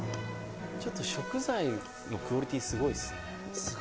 ちょっと食材のクオリティーすごいですね。